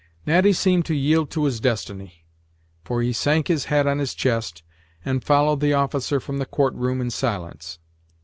Natty seemed to yield to his destiny, for he sank his head on his chest, and followed the officer from the court room in silence.